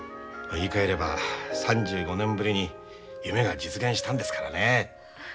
言いかえれば３５年ぶりに夢が実現したんですからね。